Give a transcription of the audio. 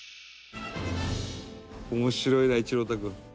「面白いな一朗太君」